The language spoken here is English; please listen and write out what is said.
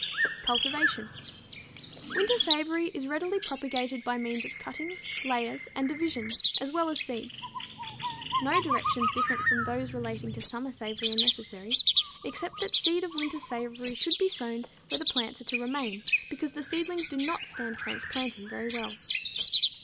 Cultivation. Winter savory is readily propagated by means of cuttings, layers and division as well as seeds. No directions different from those relating to summer savory are necessary, except that seed of winter savory should be sown where the plants are to remain, because the seedlings do not stand transplanting very well.